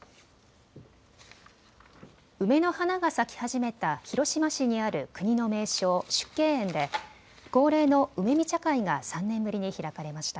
梅の花が咲き始めた広島市にある国の名勝、縮景園で恒例の梅見茶会が３年ぶりに開かれました。